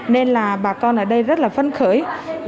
nên là bà con ở đây rất là phấn khởi